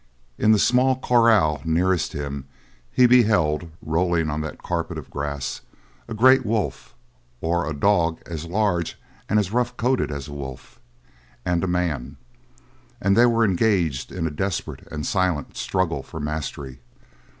In the small corral nearest him he beheld, rolling on that carpet of grass, a great wolf or a dog as large and as rough coated as a wolf, and a man; and they were engaged in a desperate and silent struggle for mastery.